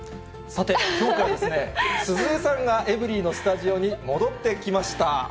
さて、きょうからですね、鈴江さんが、エブリィのスタジオに戻ってきました。